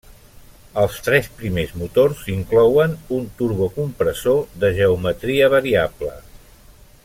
Els tres primers motors inclouen un turbocompressor de geometria variable.